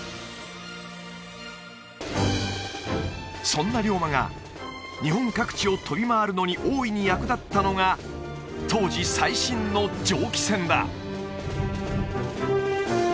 そんな龍馬が日本各地を飛び回るのに大いに役立ったのが当時最新の蒸気船だ